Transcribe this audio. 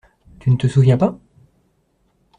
Tu ne te souviens pas?